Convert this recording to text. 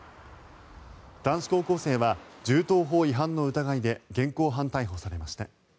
男子高校生は銃刀法違反の疑いで現行犯逮捕されました。